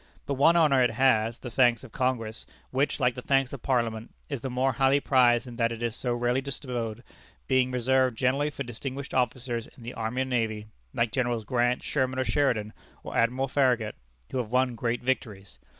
But one honor it has, the thanks of Congress, which, like the thanks of Parliament, is the more highly prized in that it is so rarely bestowed, being reserved generally for distinguished officers in the army or navy, like Generals Grant, Sherman or Sheridan, or Admiral Farragut, who have won great victories.